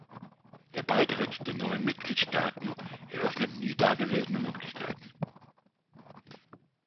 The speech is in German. Der Beitritt der neuen Mitgliedstaaten eröffnet nie dagewesene Möglichkeiten.